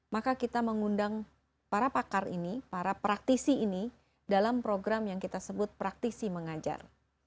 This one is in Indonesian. maka kita mengundang para pakar ini para praktisi ini dalam program yang kita sebut praktisi mengajar